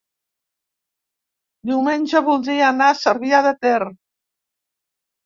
Diumenge voldria anar a Cervià de Ter.